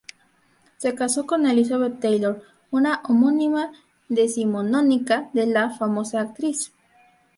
Se casó con Elizabeth Taylor, una homónima decimonónica de la famosa actriz.